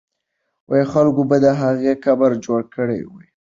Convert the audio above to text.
خلکو به د هغې قبر جوړ کړی وي.